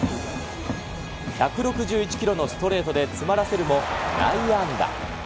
１６１キロのストレートで詰まらせるも、内野安打。